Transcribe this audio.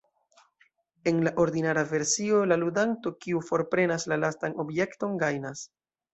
En la ordinara versio la ludanto kiu forprenas la lastan objekton gajnas.